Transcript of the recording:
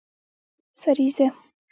سریزه